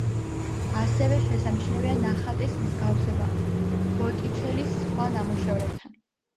ასევე შესამჩნევია ნახატის მსგავსება ბოტიჩელის სხვა ნამუშევრებთან.